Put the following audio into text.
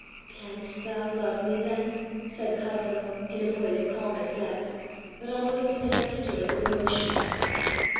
ã ãCanst thou love me then?ã said Cosmo, in a voice calm as death, but almost inarticulate with emotion.